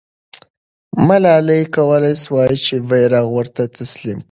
ملالۍ کولای سوای چې بیرغ ورته تسلیم کړي.